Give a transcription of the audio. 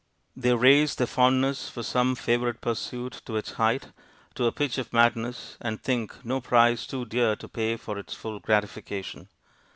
They raise their fondness for some favourite pursuit to its height, to a pitch of madness, and think no price too dear to pay for its full gratification.